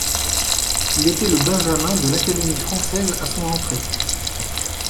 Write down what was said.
Il était le benjamin de l'Académie française à son entrée.